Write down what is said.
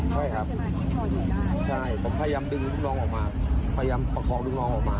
ใช่ครับพออยู่ได้ใช่ผมพยายามดึงลูกน้องออกมาพยายามประคองลูกน้องออกมา